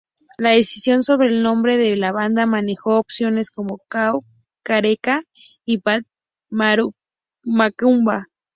La decisión sobre el nombre de la banda, manejó opciones como "Cão-careca" y "Bate-Macumba".